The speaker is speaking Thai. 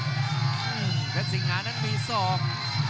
เพชรสิงหานั้นมีศอก